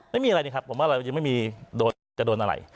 ไม่มีอะไรดีครับผมว่าเรายังไม่มีจะโดนอะไร